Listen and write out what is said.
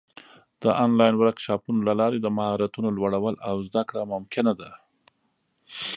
د آنلاین ورکشاپونو له لارې د مهارتونو لوړول او زده کړه ممکنه ده.